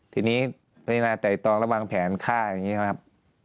ทีนี้พิจารณาไต่ตองแล้ววางแผนฆ่าอย่างนี้ครับ